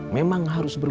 memang harus berburu